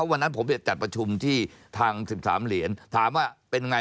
วันนั้นผมจะจัดประชุมที่ทาง๑๓เหรียญถามว่าเป็นไง